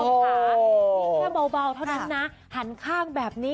คุณผู้ชมค่ะนี่แค่เบาเท่านั้นนะหันข้างแบบนี้